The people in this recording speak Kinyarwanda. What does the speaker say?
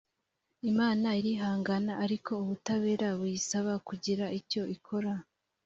imana irihangana ariko ubutabera buyisaba kugira icyo ikora